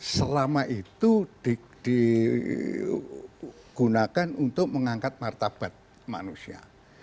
selama itu digunakan untuk mengangkat martabat manusia